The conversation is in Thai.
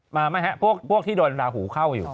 มาไหมฮะพวกที่โดนราหูเข้าอยู่